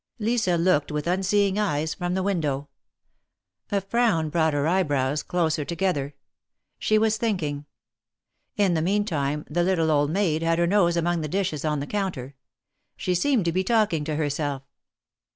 Lisa looked with unseeing eyes from the window. A frown brought her eyebrows closer together. She was thinking. In the meantime the little old maid had her nose among the dishes on the counter. She seemed to be talking to herself.